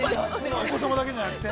◆お子様だけじゃなくて。